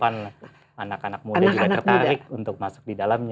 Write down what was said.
anak anak muda juga tertarik untuk masuk di dalamnya